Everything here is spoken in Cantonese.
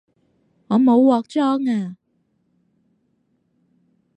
我冇鑊裝吖